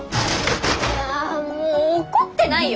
ああもう怒ってないよ。